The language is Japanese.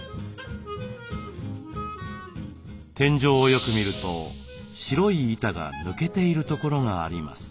天井をよく見ると白い板が抜けているところがあります。